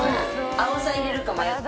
あおさ入れるか迷ってる。